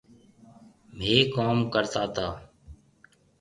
ميه ڪوم ڪرتا تا